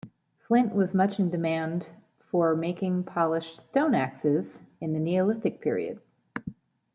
Flint was much in demand for making polished stone axes in the Neolithic period.